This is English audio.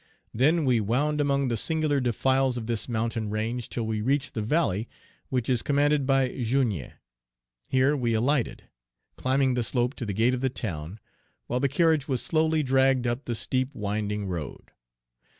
Then we wound among the singular defiles of this mountain range till we reached the valley which is commanded by Jougne. Here we alighted, climbing the slope to the gate of the town, while the carriage was slowly dragged up the steep, winding road.